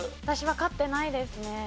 私は飼ってないですね。